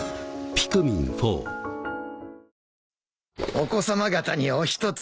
お子さま方にお一つ。